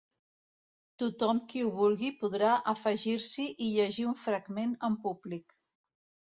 Tothom qui ho vulgui podrà afegir-s’hi i llegir un fragment en públic.